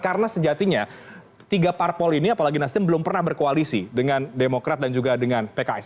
karena sejatinya tiga parpol ini apalagi nasdem belum pernah berkoalisi dengan demokrat dan juga dengan pks